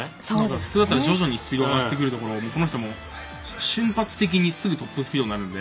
普通だったら徐々にスピード上がっていくところこの人は、瞬発的にすぐトップスピードになるので。